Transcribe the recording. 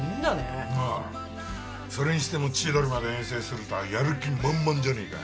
それにしても千鳥まで遠征するとはやる気満々じゃねえか。